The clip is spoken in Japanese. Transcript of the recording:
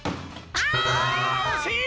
あおしい！